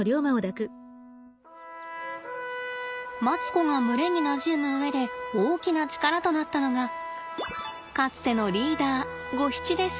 マツコが群れになじむ上で大きな力となったのがかつてのリーダーゴヒチです。